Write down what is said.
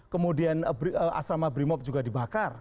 kemudian asrama brimob juga dibakar